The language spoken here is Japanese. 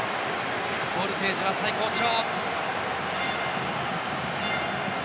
ボルテージは最高潮。